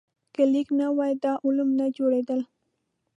که لیک نه وای، دا علوم نه جوړېدل.